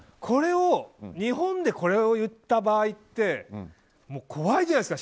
日本でこれを言った場合ってもう、怖いじゃないですか。